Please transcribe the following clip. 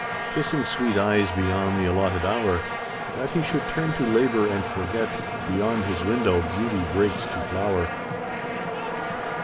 Kissing sweet eyes beyond the allotted hour That he should turn to labour and forget Beyond his window beauty breaks to flower.